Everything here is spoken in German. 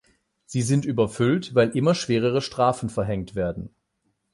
Sie sind überfüllt, weil immer schwerere Strafen verhängt werden.